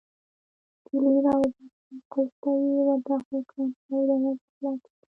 کیلۍ راوباسم، قلف ته يې ورداخله کړم او دروازه خلاصه شي.